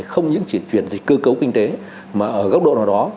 không những chỉ chuyển dịch cơ cấu kinh tế mà ở góc độ nào đó